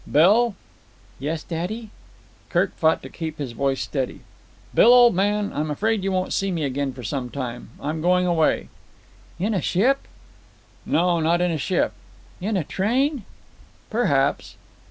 "Bill." "Yes, daddy?" Kirk fought to keep his voice steady. "Bill, old man, I'm afraid you won't see me again for some time. I'm going away." "In a ship?" "No, not in a ship." "In a train?" "Perhaps."